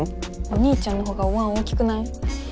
お兄ちゃんのほうがおわん大きくない？